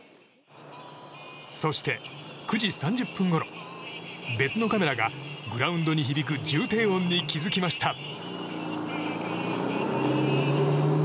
そして、９時３０分ごろ別のカメラがグラウンドに響く重低音に気付きました。